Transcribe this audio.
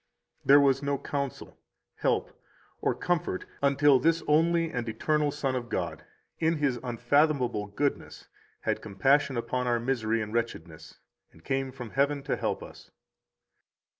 29 There was no counsel, help, or comfort until this only and eternal Son of God in His unfathomable goodness had compassion upon our misery and wretchedness, and came from heaven to help us.